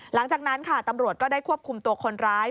หลังจากนั้นค่ะตำรวจก็ได้ควบคุมตัวคนร้าย